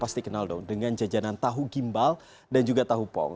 pasti kenal dong dengan jajanan tahu gimbal dan juga tahu pong